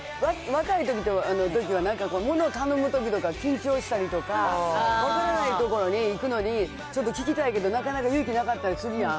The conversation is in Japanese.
若いときはものを頼むときとか緊張したりとか、分からない所に行くのに、ちょっと聞きたいけど、なかなか勇気なかったりするやん。